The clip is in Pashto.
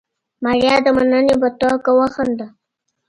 ماريا د مننې په توګه وخندل.